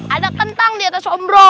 ada kentang diatas om bro